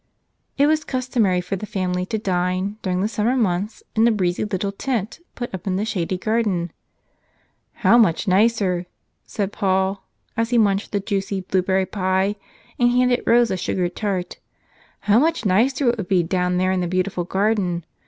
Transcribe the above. It was customary for the family to dine, during the summer months, in a breezy little tent put up in the shady garden. "How much nicer," said Paul, as he munched the juicy blueberry pie and handed Rose a sugared tart, "how much nicer it would be down there in the beautiful garden.